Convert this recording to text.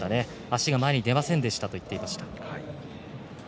足があまり出ませんでしたと言っていました。